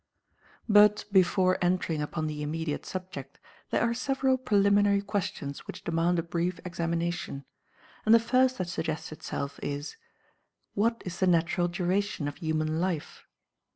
But, before entering upon the immediate subject, there are several preliminary questions which demand a brief examination, and the first that suggests itself is, What is the natural duration of human life?